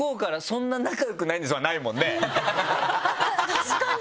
確かに！